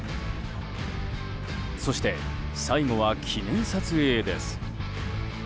そして、最後は記念撮影です。